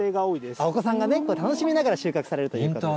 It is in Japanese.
お子さんがね、楽しみながら収穫されるということです。